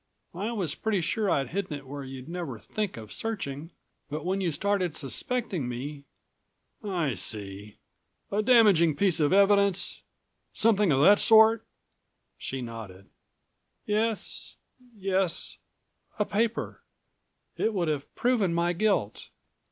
I was pretty sure I'd hidden it where you'd never think of searching, but when you started suspecting me " "I see. A damaging piece of evidence? Something of the sort?" She nodded. "Yes ... yes ... a paper. It would have proven my guilt."